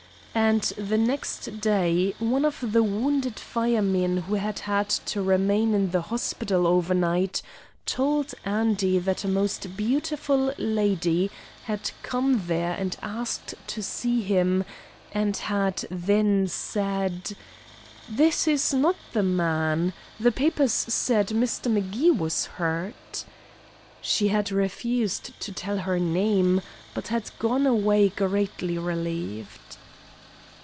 And the next day one of the wounded firemen who had had to remain in the hospital overnight told Andy that a most beautiful lady had come there and asked to see him and had then said: "This is not the man; the papers said Mr. M'Gee was hurt." She had refused to tell her name, but had gone away greatly relieved.